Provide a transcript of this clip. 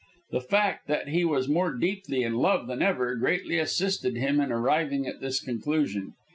The fact that he was more deeply in love than ever, greatly assisted him in arriving at this conclusion.